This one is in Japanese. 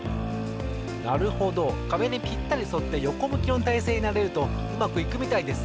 なるほどかべにぴったりそってよこむきのたいせいになれるとうまくいくみたいです。